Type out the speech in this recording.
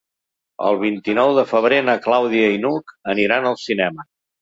El vint-i-nou de febrer na Clàudia i n'Hug aniran al cinema.